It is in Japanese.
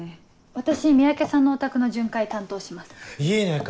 私三宅さんのお宅の巡回担当します。